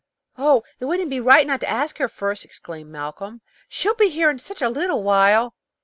"Oh, it wouldn't be right not to ask her first," exclaimed Malcolm. "She'll be here in such a little while."